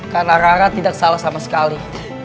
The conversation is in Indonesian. karena rara tidak salah sama sekali